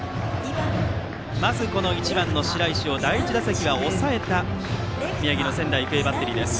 まず１番の白石を第１打席は抑えた宮城の仙台育英バッテリーです。